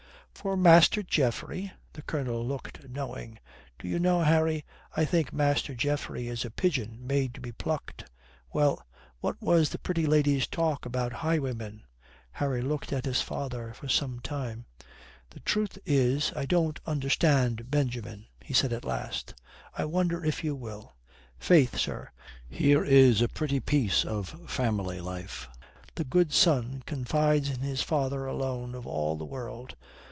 "For Master Geoffrey?" The Colonel looked knowing. "Do you know, Harry, I think Master Geoffrey is a pigeon made to be plucked. Well. What was the pretty lady's talk about highwaymen?" Harry looked at his father for some time. "The truth is, I don't understand Benjamin," he said at last. "I wonder if you will. Faith, sir, here is a pretty piece of family life. The good son confides in his father alone of all the world."